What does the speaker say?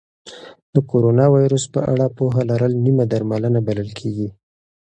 د کرونا ویروس په اړه پوهه لرل نیمه درملنه بلل کېږي.